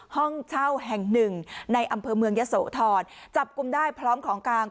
ห้องเช่าแห่งหนึ่งในอำเภอเมืองยะโสธรจับกลุ่มได้พร้อมของกลาง